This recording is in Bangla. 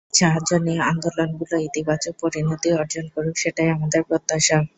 এসবের সাহায্য নিয়ে আন্দোলনগুলো ইতিবাচক পরিণতি অর্জন করুক, সেটাই আমাদের প্রত্যাশা।